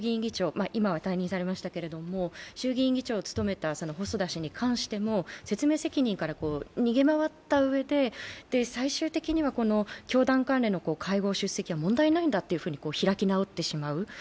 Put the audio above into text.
衆議院議長を務めた細田氏に関しても、説明責任から逃げ回ったうえで、最終的には教団関連の会合出席は問題ないんだと開き直ってしまう。